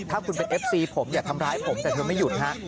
ถ้าคุณเป็นเอฟซีผมอย่าทำร้ายผมแต่เธอไม่หยุดฮะ